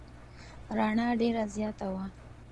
رڼا ډېره زیاته وه.